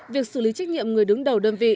việc xử lý trách nhiệm người đứng đầu đơn vị